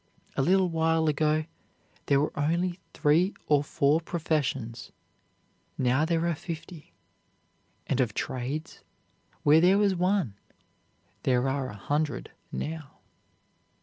A little while ago there were only three or four professions now there are fifty. And of trades, where there was one, there are a hundred now.